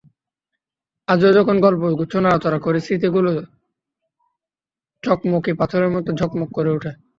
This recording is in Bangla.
আজও যখন গল্পগুচ্ছ নাড়াচাড়া করি, স্মৃতিগুলো চকমকি পাথরের মতো ঝকমক করে ওঠে।